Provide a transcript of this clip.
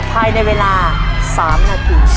ภายในเวลา๓นาที